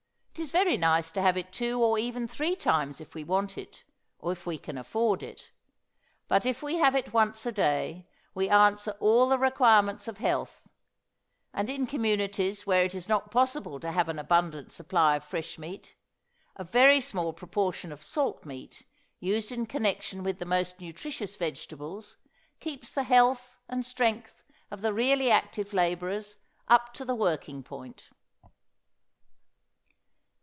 It is very nice to have it two or even three times if we want it, or if we can afford it; but if we have it once a day we answer all the requirements of health, and in communities where it is not possible to have an abundant supply of fresh meat, a very small proportion of salt meat used in connection with the most nutritious vegetables keeps the health and strength of the really active laborers up to the working point.